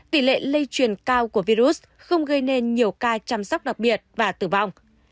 tỷ lệ lây truyền cao của virus không gây nên nhiều ca chăm sóc đặc biệt và tử vong